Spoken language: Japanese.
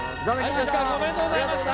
吉川君おめでとうございました！